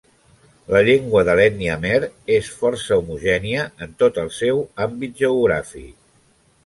La llengua de l'ètnia khmer és força homogènia en tot el seu àmbit geogràfic.